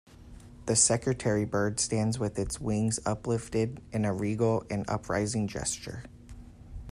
The secretary bird stands with its wings uplifted in a regal and uprising gesture.